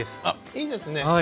いいですね。